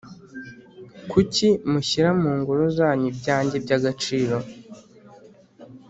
kucyi mushyira mu ngoro zanyu ibyanjye by’agaciro,